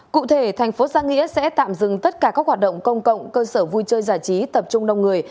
cụ thể thành phố giang nghĩa sẽ tạm dừng tất cả các hoạt động công cộng cơ sở vui chơi giải trí tập trung đông người